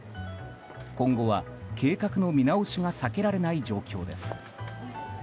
今後は、計画の見直しが避けられない状況です。